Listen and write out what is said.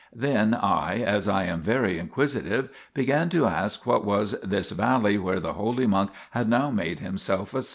Then I, as I am very inquisitive, began to ask what was this valley where the holy monk had now made himself a cell, 1 See p.